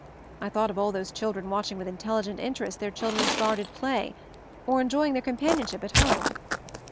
I thought of all those parents watching with intelligent interest their children's guarded play, or enjoying their companionship at home.